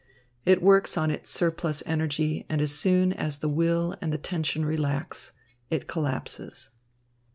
It works on its surplus energy, and as soon as the will and the tension relax, it collapses.